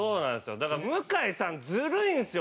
だから、向さんずるいんですよ。